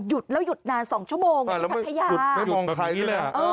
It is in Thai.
หยุดแล้วหยุดนาน๒ชั่วโมงที่พัทยาหยุดไม่มองแบบนี้แหละ